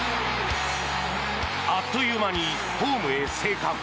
あっという間にホームへ生還！